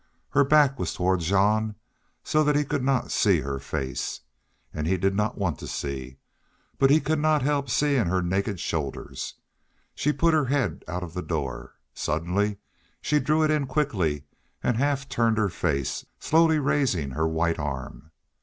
Her back was toward Jean, so that he could not see her face. And he did not want to see, but could not help seeing her naked shoulders. She put her head out of the door. Suddenly she drew it in quickly and half turned her face, slowly raising her white arm.